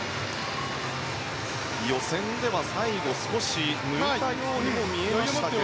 予選では最後少し抜いたようにも見えましたけども。